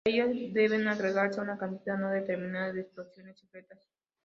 A ellas deben agregarse una cantidad no determinada de explosiones secretas.